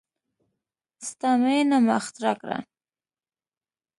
ستا میینه ما اختراع کړه